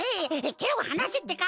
てをはなせってか！